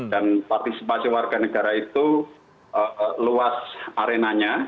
dan partisipasi warga negara itu luas arenanya